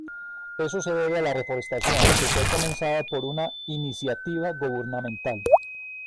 Eso se debe a la reforestación que fue comenzada por una iniciativa gubernamental.